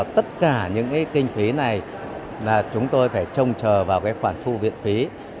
tất cả những cái kinh phí này là chúng tôi phải trông chờ vào cái khoản thu viện phí